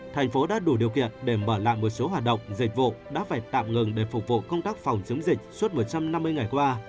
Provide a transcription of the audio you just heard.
thành phố đã đủ điều kiện để mở lại một số hoạt động dịch vụ đã phải tạm ngừng để phục vụ công tác phòng chống dịch suốt một trăm năm mươi ngày qua